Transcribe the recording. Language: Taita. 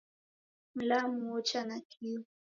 Mlamu wocha nakio